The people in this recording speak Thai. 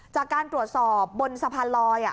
จากการตรวจสอบบนสะพานลอย